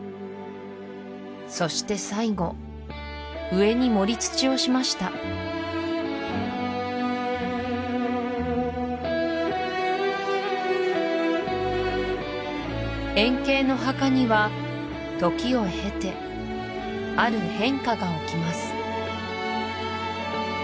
そして最後上に盛り土をしました円形の墓には時を経てある変化が起きます